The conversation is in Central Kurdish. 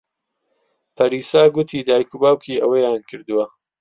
پەریسا گوتی دایک و باوکی ئەوەیان کردووە.